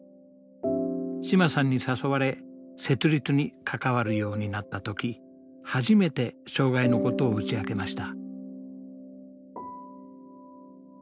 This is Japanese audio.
嶋さんに誘われ設立に関わるようになった時初めて障害のことを打ち明けました。